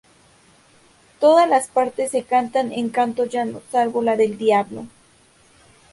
Todas las partes se cantan en canto llano salvo la del Diablo.